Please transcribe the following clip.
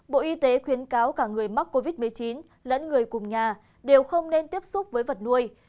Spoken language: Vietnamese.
bộ y tế khuyến cáo cả người mắc covid một mươi chín lẫn người cùng nhà đều không nên tiếp xúc với vật nuôi